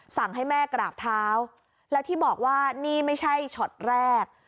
สั่งให้แม่กราบเท้าแล้วที่บอกว่านี่ไม่ใช่ช็อตแรก